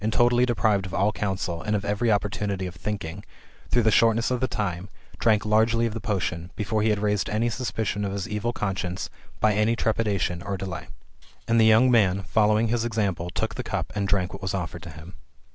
185 totally deprived of all counsel, and of every opportunity of thinking, through the shortness of the time, drank largely of the potion, before he had raised any suspicion of his evil conscience by any trepidation or delay. And the young man, following his example, took the cup and drank what was offered to him.